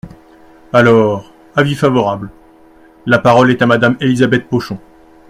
Alors, avis favorable… La parole est à Madame Elisabeth Pochon.